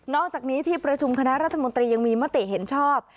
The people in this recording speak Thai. อกจากนี้ที่ประชุมคณะรัฐมนตรียังมีมติเห็นชอบ